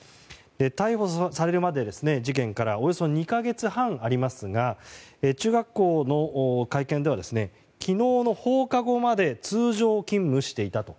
逮捕されるまで事件からおよそ２か月半ありますが中学校の会見では昨日の放課後まで通常勤務していたと。